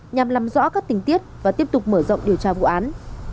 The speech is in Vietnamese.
nhằm làm rõ các tình tiết và tiếp tục mở rộng điều tra vụ án